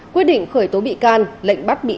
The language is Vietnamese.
quyết định khởi tố bị can lệnh bắt bị